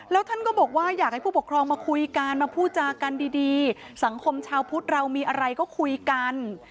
แล้วท่านก็บอกว่าอยากให้ผู้ปกครองมาคุยกันมาพูดจากันดีสังคมชาวพุทธเรามีอะไรก็คุยกัน